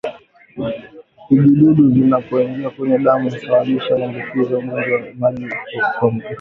Vijidudu vinapoingia kwenye damu husababisha maambukizi ya ugonjwa wa majipu kwa ngamia